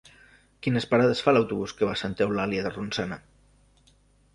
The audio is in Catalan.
Quines parades fa l'autobús que va a Santa Eulàlia de Ronçana?